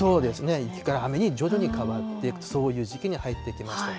雪から雨に徐々に変わって、そういう時期に入ってきましたと。